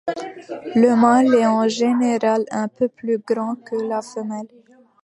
Le mâle est en général un peu plus grand que la femelle.